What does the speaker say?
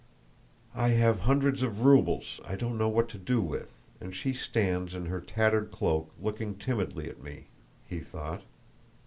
"I have hundreds of rubles I don't know what to do with, and she stands in her tattered cloak looking timidly at me," he thought.